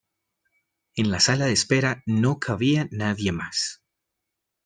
En la sala de espera no cabía nadie más.